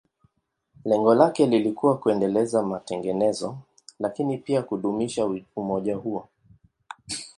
Lengo lake lilikuwa kuendeleza matengenezo, lakini pia kudumisha umoja huo.